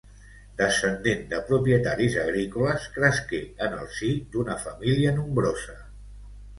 Descendent de propietaris agrícoles, cresqué en el si d'una família nombrosa.